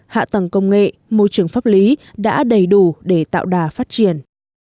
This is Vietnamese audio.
hạ tầng công nghệ môi trường pháp lý đã đầy đủ để tạo đà phát triển